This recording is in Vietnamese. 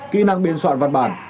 kỹ năng biên soạn văn bản